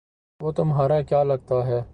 وہ تمہارا کیا لگتا ہے